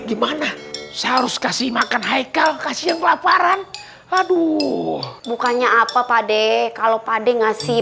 gimana seharusnya sih makan haikal kasih yang laparan aduh bukannya apa pade kalau pade ngasih